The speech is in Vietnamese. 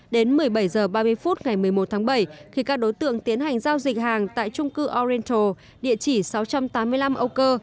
đến một mươi bảy h ba mươi phút ngày một mươi một tháng bảy khi các đối tượng tiến hành giao dịch hàng tại trung cư orental địa chỉ sáu trăm tám mươi năm âu cơ